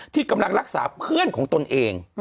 ที่กำลังรักษาเพื่อนของตนเอง